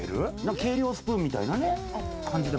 計量スプーンみたいな感じ。